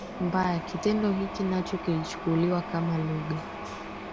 mbaya kitendo hiki nacho kilichukuliwa kama lugha